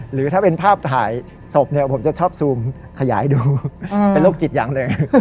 หรือถ้าเป็นภาพถ่ายศพเนี่ยผมจะชอบซูมขยายดูเป็นโรคจิตอย่างหนึ่ง